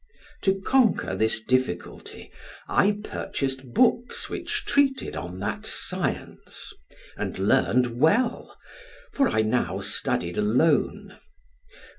To conquer this difficulty, I purchased books which treated on that science, and learned well, for I now studied alone.